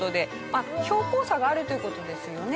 まあ標高差があるという事ですよね。